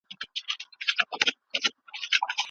زه به تل د کتاب په لټه کي یم.